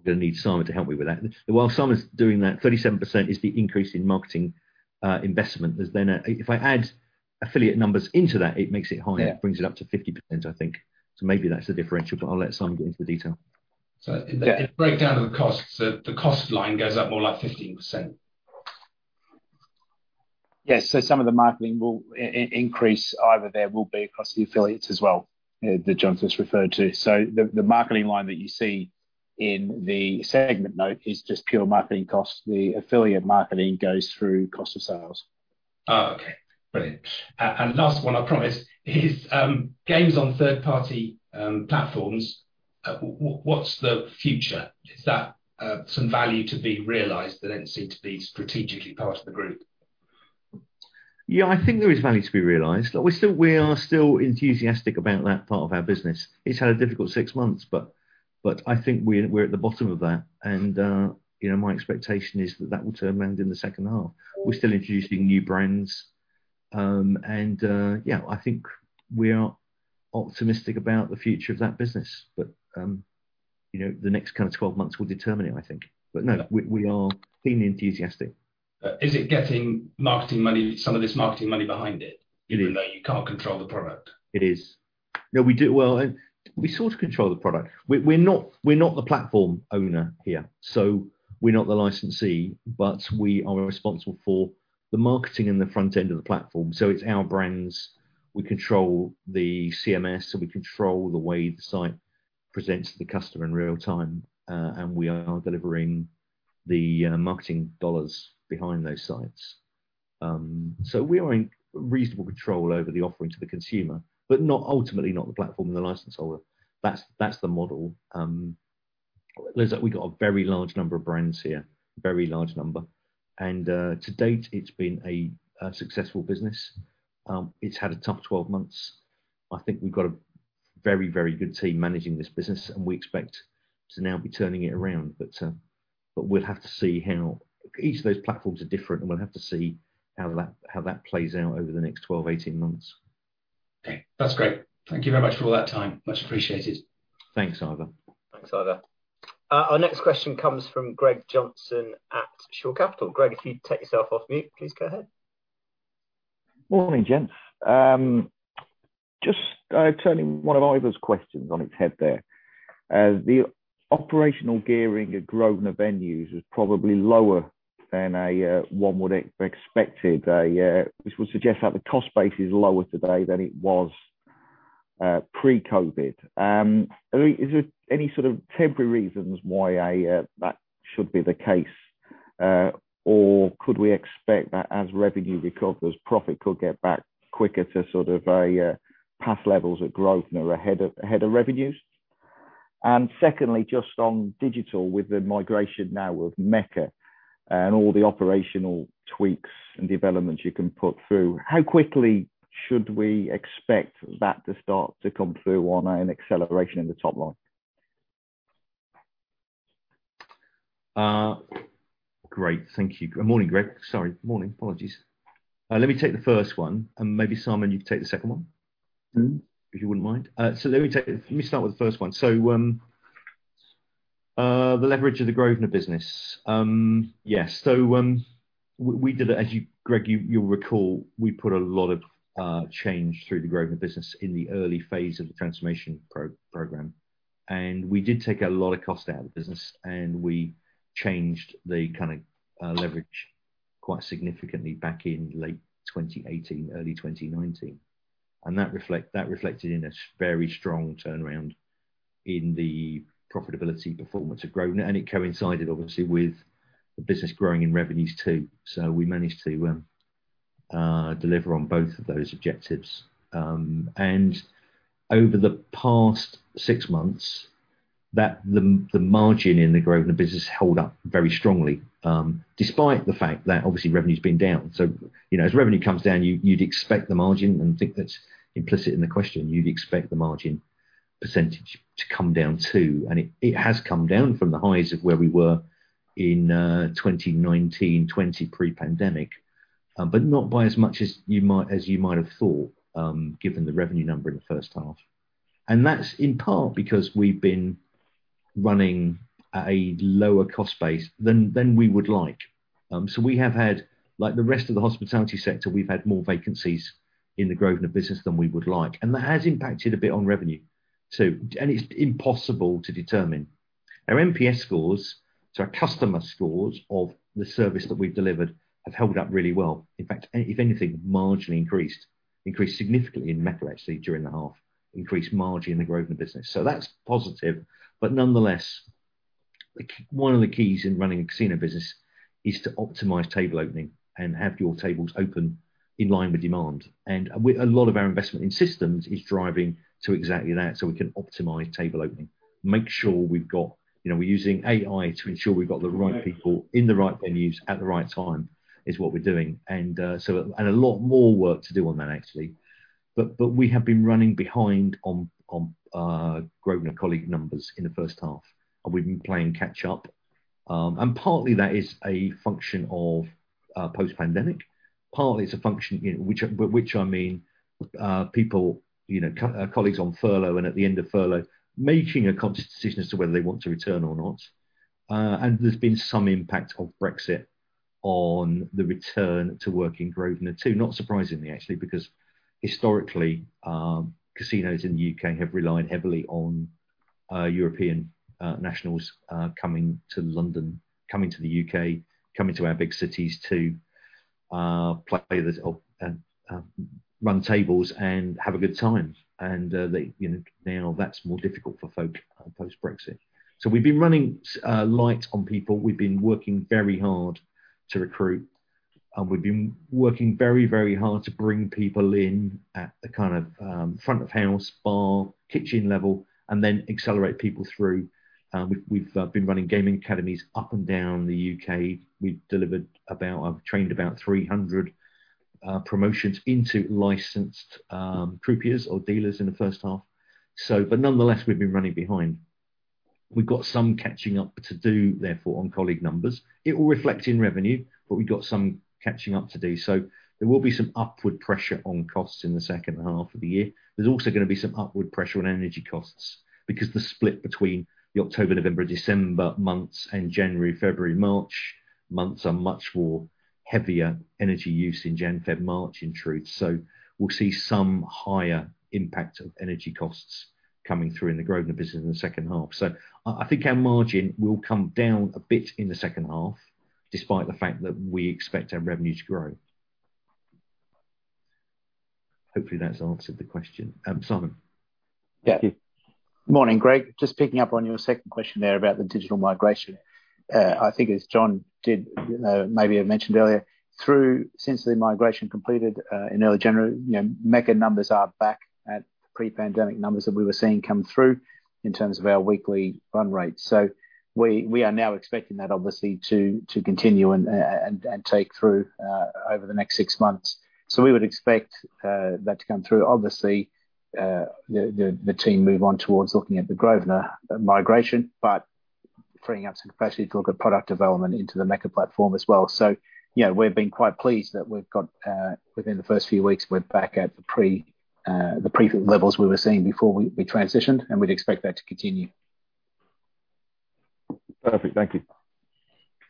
gonna need Simon to help me with that. While Simon's doing that, 37% is the increase in marketing investment. If I add affiliate numbers into that, it makes it higher. Yeah. Brings it up to 50%, I think. Maybe that's the differential, but I'll let Simon go into the detail. If we break down the costs, the cost line goes up more like 15%. Some of the marketing will increase. Either there will be across the affiliates as well, that Greg Johnson referred to. The marketing line that you see in the segment note is just pure marketing costs. The affiliate marketing goes through cost of sales. Oh, okay. Brilliant. last one, I promise, is games on third party platforms. What's the future? Is that some value to be realized that didn't seem to be strategically part of the group? Yeah, I think there is value to be realized. We are still enthusiastic about that part of our business. It has had a difficult six months, but I think we're at the bottom of that and, you know, my expectation is that that will turn around in the second half. We are still introducing new brands, and yeah, I think we are optimistic about the future of that business. You know, the next kind of 12 months will determine it, I think. No, we are keenly enthusiastic. Is it getting marketing money, some of this marketing money behind it? It is. Even though you can't control the product? It is. No, we do. Well, we sort of control the product. We're not the platform owner here, so we're not the licensee, but we are responsible for the marketing and the front end of the platform. It's our brands, we control the CMS, and we control the way the site presents to the customer in real time. We are delivering the marketing dollars behind those sites. We are in reasonable control over the offering to the consumer, but ultimately not the platform and the license holder. That's the model. We've got a very large number of brands here, and to date, it's been a successful business. It's had a tough 12 months. I think we've got a very, very good team managing this business, and we expect to now be turning it around. We'll have to see how each of those platforms are different, and we'll have to see how that plays out over the next 12, 18 months. Okay. That's great. Thank you very much for all that time. Much appreciated. Thanks, Ivor. Thanks, Ivor. Our next question comes from Greg Johnson at Shore Capital. Greg, if you'd take yourself off mute, please go ahead. Morning, gents? Just turning one of Ivor's questions on its head there. The operational gearing at Grosvenor venues is probably lower than one would expect it. Yeah, this would suggest that the cost base is lower today than it was pre-COVID. Is there any sort of temporary reasons why that should be the case? Or could we expect that as revenue recovers, profit could get back quicker to sort of past levels at Grosvenor ahead of revenues? Secondly, just on digital, with the migration now of Mecca and all the operational tweaks and developments you can put through, how quickly should we expect that to start to come through on an acceleration in the top line? Great. Thank you. Morning, Greg. Sorry. Morning. Apologies. Let me take the first one, and maybe Simon, you can take the second one. Mm-hmm. If you wouldn't mind. Let me start with the first one. The leverage of the Grosvenor business. We did it. As you, Greg, you'll recall, we put a lot of change through the Grosvenor business in the early phase of the transformation program, and we did take a lot of cost out of the business, and we changed the kind of leverage quite significantly back in late 2018, early 2019. That reflected in a very strong turnaround in the profitability performance of Grosvenor, and it coincided obviously with the business growing in revenues too. We managed to deliver on both of those objectives. Over the past six months, the margin in the Grosvenor business held up very strongly, despite the fact that obviously revenue's been down. You know, as revenue comes down, you'd expect the margin percentage to come down too, and it has come down from the highs of where we were in 2019, 2020 pre-pandemic. Not by as much as you might have thought, given the revenue number in the first half. That's in part because we've been running at a lower cost base than we would like. We have had, like the rest of the hospitality sector, more vacancies in the Grosvenor business than we would like, and that has impacted a bit on revenue too. It's impossible to determine. Our NPS scores, so our customer scores of the service that we've delivered, have held up really well. In fact, if anything, marginally increased significantly in Mecca actually during the half, increased marginally in the Grosvenor business. That's positive. Nonetheless, one of the keys in running a casino business is to optimize table opening and have your tables open in line with demand. A lot of our investment in systems is driving to exactly that, so we can optimize table opening, make sure we've got you know, we're using AI to ensure we've got the right people in the right venues at the right time, is what we're doing. A lot more work to do on that, actually. We have been running behind on Grosvenor colleague numbers in the first half, and we've been playing catch up. Partly that is a function of post-pandemic, partly it's a function, you know, I mean, people, you know, colleagues on furlough, and at the end of furlough, making a conscious decision as to whether they want to return or not. There's been some impact of Brexit on the return to work in Grosvenor too. Not surprisingly actually, because historically, casinos in the U.K. have relied heavily on European nationals coming to London, coming to the U.K., coming to our big cities to run tables and have a good time. They, you know, now that's more difficult for folk post-Brexit. We've been running light on people. We've been working very hard to recruit, and we've been working very, very hard to bring people in at the kind of front of house, bar, kitchen level and then accelerate people through. We've been running gaming academies up and down the U.K. We've trained about 300 promotions into licensed croupiers or dealers in the first half. But nonetheless, we've been running behind. We've got some catching up to do, therefore, on colleague numbers. It will reflect in revenue, but we've got some catching up to do. There will be some upward pressure on costs in the second half of the year. There's also gonna be some upward pressure on energy costs because the split between the October, November, December months and January, February, March months are much more heavier energy use in January, February, March in truth. We'll see some higher impact of energy costs coming through in the Grosvenor business in the second half. I think our margin will come down a bit in the second half, despite the fact that we expect our revenue to grow. Hopefully that's answered the question. Simon? Thank you. Yeah. Morning, Greg. Just picking up on your second question there about the digital migration. I think as John did, maybe have mentioned earlier, since the migration completed in early January, you know, Mecca numbers are back at pre-pandemic numbers that we were seeing come through in terms of our weekly run rates. We are now expecting that obviously to continue and take through over the next six months. We would expect that to come through. Obviously, the team move on towards looking at the Grosvenor migration, but freeing up some capacity to look at product development into the Mecca platform as well. You know, we've been quite pleased that we've got within the first few weeks. We're back at the pre levels we were seeing before we transitioned, and we'd expect that to continue. Perfect. Thank you.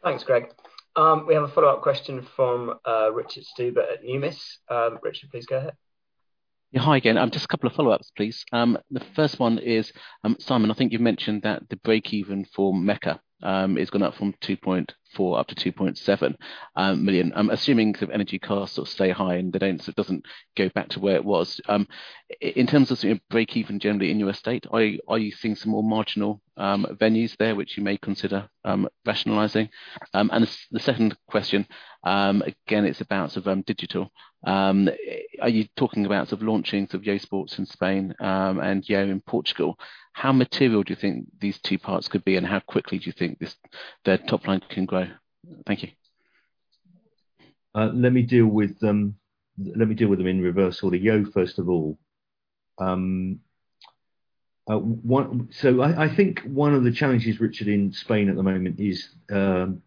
Thanks, Greg. We have a follow-up question from Richard Stuber at Numis. Richard, please go ahead. Yeah, hi again? Just a couple of follow-ups, please. The first one is, Simon, I think you've mentioned that the break-even for Mecca has gone up from 2.4 million up to 2.7 million. I'm assuming sort of energy costs will stay high and they don't, so it doesn't go back to where it was. In terms of sort of break-even generally in your estate, are you seeing some more marginal venues there which you may consider rationalizing? And the second question, again, it's about sort of digital. Are you talking about sort of launchings of YoSports in Spain, and Yo in Portugal? How material do you think these two parts could be, and how quickly do you think this, their top line can grow? Thank you. Let me deal with them in reverse order. Yo, first of all. I think one of the challenges, Richard, in Spain at the moment is, you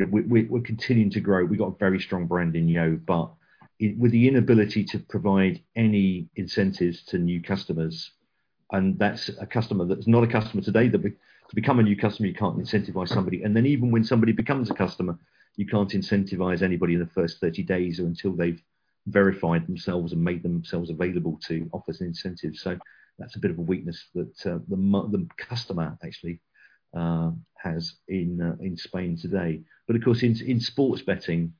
know, we're continuing to grow. We've got a very strong brand in Yo, but with the inability to provide any incentives to new customers, and that's a customer that's not a customer today. To become a new customer, you can't incentivize somebody. Even when somebody becomes a customer, you can't incentivize anybody in the first 30 days or until they've verified themselves and made themselves available to offer some incentives. That's a bit of a weakness that the customer actually has in Spain today. Of course, in sports betting,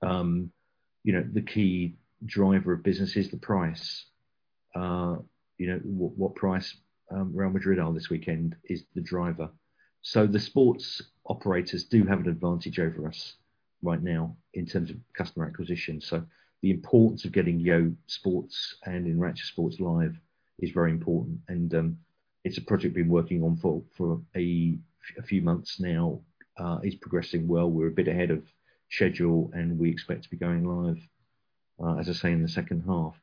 the key driver of business is the price. What price Real Madrid are this weekend is the driver. The sports operators do have an advantage over us right now in terms of customer acquisition. The importance of getting YoSports and Enracha Sports live is very important, and it's a project we've been working on for a few months now, is progressing well. We're a bit ahead of schedule, and we expect to be going live, as I say, in the second half.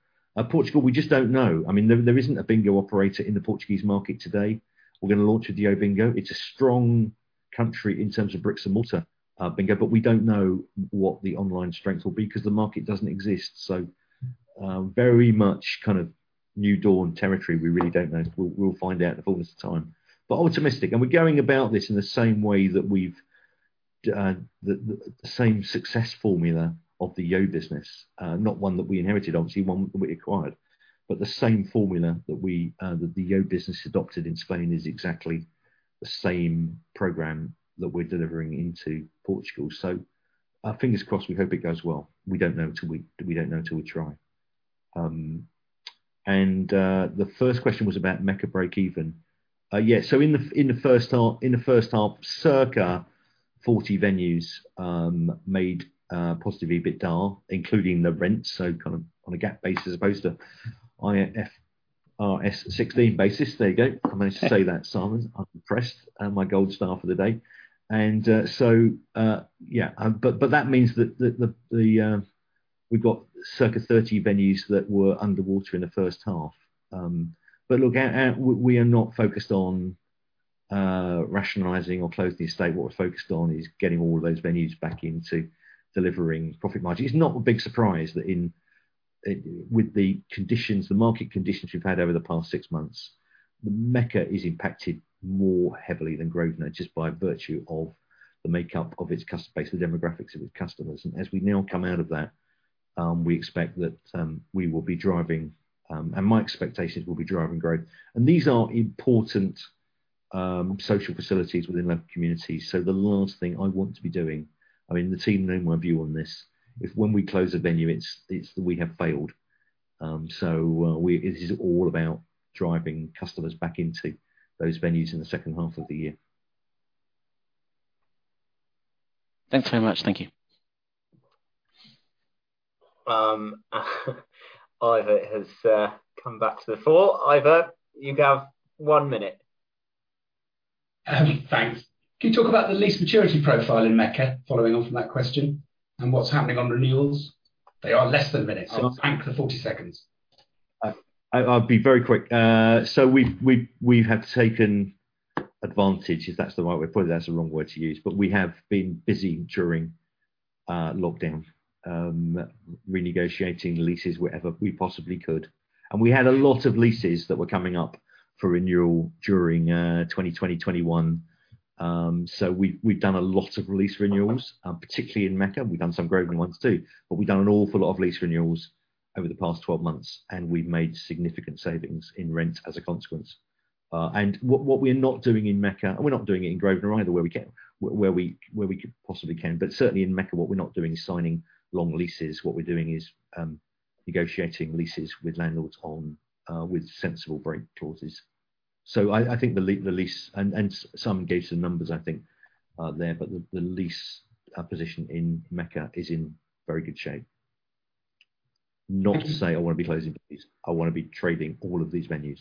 Portugal, we just don't know. I mean, there isn't a bingo operator in the Portuguese market today. We're gonna launch a YoBingo. It's a strong country in terms of bricks-and-mortar bingo, but we don't know what the online strength will be 'cause the market doesn't exist. Very much kind of new dawn territory. We really don't know. We'll find out in the fullness of time. Optimistic, and we're going about this in the same way that we've the same success formula of the Yo business, not one that we inherited obviously, one that we acquired. The same formula that the Yo business adopted in Spain is exactly the same program that we're delivering into Portugal. Fingers crossed, we hope it goes well. We don't know till we try. The first question was about Mecca break-even. Yeah, in the first half, circa 40 venues made positive EBITDA, including the rent, so kind of on a GAAP basis as opposed to IFRS 16 basis. There you go. I managed to say that, Simon. I'm impressed. My gold star for the day. Yeah. But that means that we've got circa 30 venues that were underwater in the first half. But look, we are not focused on rationalizing or closing the estate. What we're focused on is getting all of those venues back into delivering profit margin. It's not a big surprise that with the conditions, the market conditions we've had over the past six months, Mecca is impacted more heavily than Grosvenor just by virtue of the makeup of its customer base, the demographics of its customers. As we now come out of that, we expect that we will be driving, and my expectations, we'll be driving growth. These are important social facilities within local communities, so the last thing I want to be doing, I mean, the team know my view on this, is when we close a venue, it's we have failed. It is all about driving customers back into those venues in the second half of the year. Thanks very much. Thank you. Ivor has come back to the floor. Ivor, you have one minute. Thanks. Can you talk about the lease maturity profile in Mecca, following on from that question, and what's happening on renewals? They are less than a minute, so thank the 40 seconds. I'll be very quick. We've taken advantage, if that's the right way to put it. That's the wrong word to use. We have been busy during lockdown, renegotiating leases wherever we possibly could. We had a lot of leases that were coming up for renewal during 2020, 2021. We've done a lot of lease renewals, particularly in Mecca. We've done some Grosvenor ones too. We've done an awful lot of lease renewals over the past 12 months, and we've made significant savings in rent as a consequence. What we're not doing in Mecca, and we're not doing it in Grosvenor either, where we possibly can, but certainly in Mecca, what we're not doing is signing long leases. What we're doing is negotiating leases with landlords with sensible break clauses. I think the lease and Simon gave some numbers, but the lease position in Mecca is in very good shape. Not to say I wanna be closing leases. I wanna be trading all of these venues.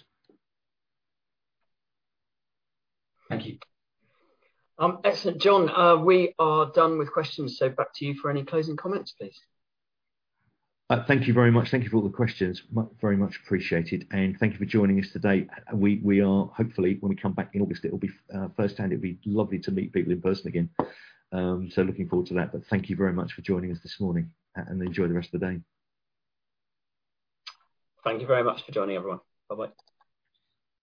Thank you. Excellent. John, we are done with questions, so back to you for any closing comments, please. Thank you very much. Thank you for all the questions. Very much appreciated, and thank you for joining us today. We are hopefully, when we come back in August, it'll be firsthand, it'll be lovely to meet people in person again. Looking forward to that. Thank you very much for joining us this morning, and enjoy the rest of the day. Thank you very much for joining, everyone. Bye-bye.